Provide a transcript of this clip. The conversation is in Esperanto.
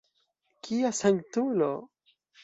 Kia sanktulo!